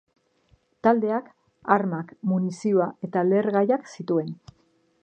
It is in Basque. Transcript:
Taldeak armak, munizioa eta lehergaiak zituen.